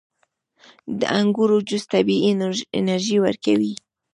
• د انګورو جوس طبیعي انرژي ورکوي.